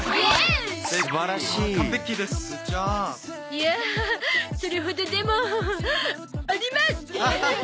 いやそれほどでもあります！